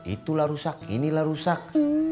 itulah rusak inilah rusak